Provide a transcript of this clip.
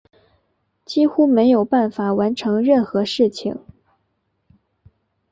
几乎没有办法完成任何事情